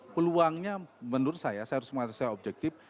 peluangnya menurut saya saya harus mengatakan objektif